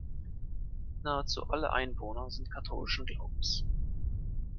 Nahezu alle Einwohner sind katholischen Glaubens.